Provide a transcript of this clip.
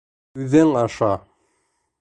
Үҙең аша...